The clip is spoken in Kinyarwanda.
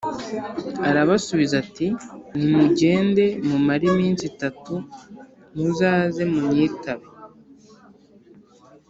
Arabasubiza ati “Nimugende mumare iminsi itatu, muzaze munyitabe”